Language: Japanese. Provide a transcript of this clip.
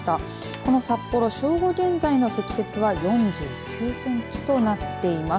この札幌、正午現在の積雪は４９センチとなっています。